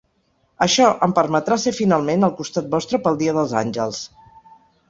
Això em permetrà ser finalment al costat vostre pel dia dels Àngels.